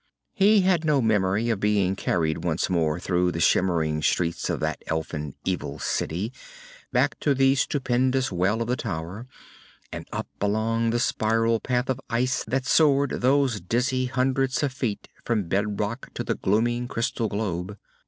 He had no memory of being carried once more through the shimmering streets of that elfin, evil city, back to the stupendous well of the tower, and up along the spiral path of ice that soared those dizzy hundreds of feet from bedrock to the glooming crystal globe.